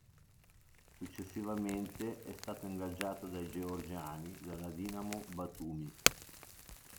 Successivamente, è stato ingaggiato dai georgiani della Dinamo Batumi.